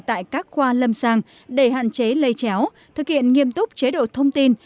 tại các khoa lâm sàng để hạn chế lây chéo thực hiện nghiêm túc chế độ thông tin